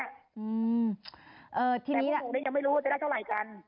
ทีนี้ยังไม่รู้ว่าจะได้เท่าไหร่กัน